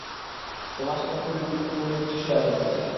তোমার সাথে খুবই গুরুত্বপূর্ণ কিছু শেয়ার করতে চাই।